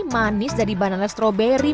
manis dari banana strawberry